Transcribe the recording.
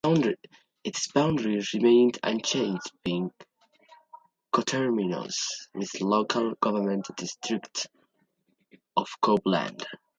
Its boundaries remained unchanged, being coterminous with the local government district of Copeland.